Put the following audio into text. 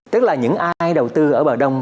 tức là những ai đầu tư ở bờ đông